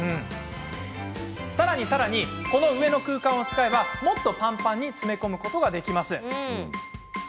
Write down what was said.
さらにさらにこの上の空間を使えばもっとぱんぱんに詰め込むことができるんです。